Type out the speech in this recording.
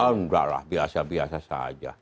oh udah lah biasa biasa saja